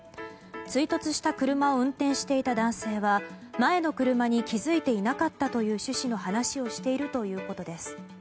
追突した車を運転していた男性は前の車に気づいていなかったという趣旨の話をしているということです。